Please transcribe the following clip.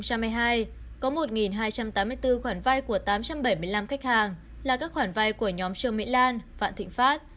có một hai trăm tám mươi bốn khoản vai của tám trăm bảy mươi năm khách hàng là các khoản vai của nhóm trường mỹ lan vạn thịnh pháp